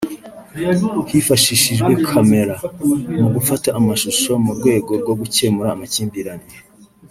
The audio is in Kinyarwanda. Hifashishijwe kamera (camera) mu gufata amashusho mu rwego rwo gukemura amakimbirane